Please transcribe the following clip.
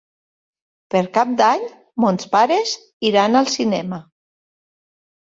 Per Cap d'Any mons pares iran al cinema.